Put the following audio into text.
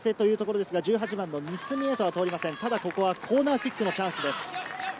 ここはコーナーキックのチャンスです。